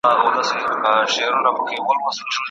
غچ به ستا زړه یخ کړي.